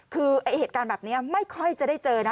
คือเหตุการณ์แบบนี้ไม่ค่อยจะได้เจอนะ